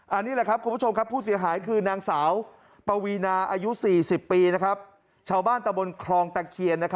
อันนี้แหละครับคุณผู้ชมครับผู้เสียหายคือนางสาวปวีนาอายุ๔๐ปีชาวบ้านตะบนคลองตะเคียน